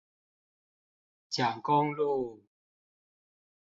蔣公路